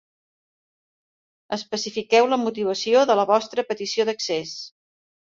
Especifiqueu la motivació de la vostra petició d'accés.